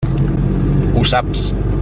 Ho saps.